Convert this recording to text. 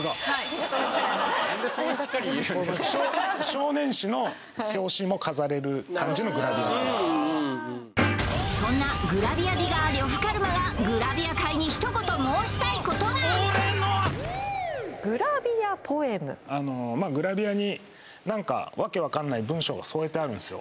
・何でそんなしっかり言えるんですかそんなグラビアディガー呂布カルマがグラビア界に一言申したいことがグラビアに何か訳わかんない文章が添えてあるんすよ